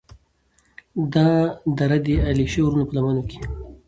دا دره د علیشي د غرونو په لمنو کې